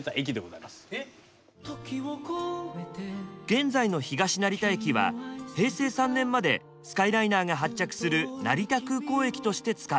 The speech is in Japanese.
現在の東成田駅は平成３年までスカイライナーが発着する成田空港駅として使われていました。